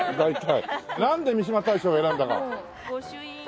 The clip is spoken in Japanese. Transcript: なんで三嶋大社を選んだか？